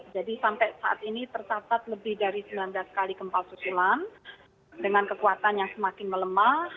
jadi sampai saat ini tersasat lebih dari sembilan belas kali gempa susulan dengan kekuatan yang semakin melemah